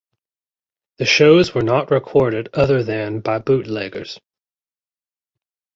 The shows were not recorded other than by bootleggers.